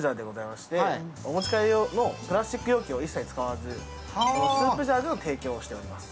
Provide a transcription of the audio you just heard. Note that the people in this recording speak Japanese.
お持ち帰り用のプラスチック容器を一切使わずスープジャーで提供しております。